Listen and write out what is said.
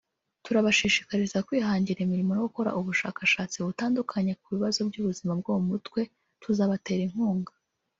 Turabashishikariza kwihangira imirimo no gukora ubushakashatsi butandukanye ku bibazo by’ubuzima bwo mu mutwe tuzabatera inkunga